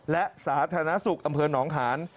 และสาธารณสุขอำเภอหนองหาน